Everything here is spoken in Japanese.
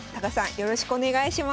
よろしくお願いします。